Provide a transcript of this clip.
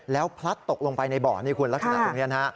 แล้วพลัดตกลงไปในบ่อนี่คุณลักษณะตรงนี้นะฮะ